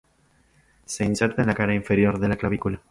Se inserta en la cara inferior de la clavícula.